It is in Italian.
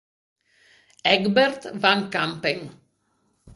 Egbert van Kampen